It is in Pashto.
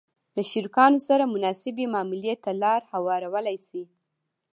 -له شریکانو سره مناسبې معاملې ته لار هوارولای شئ